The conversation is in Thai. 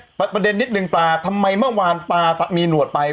มันประเด็นนี่ประดีชนิดหนึ่งป้าทำไมเมื่อวานป่ามีหนวดไป